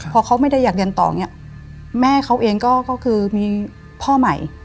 พอเขาไม่ได้อยากเรียนต่ออย่างนี้แม่เขาเองก็คือมีพ่อใหม่